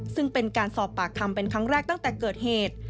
ซึ่งเป็นการสอบปากคำเป็นครั้งแรกตั้งแต่เกิดเหตุ